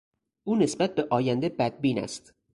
او نسبت به آینده بدبین است.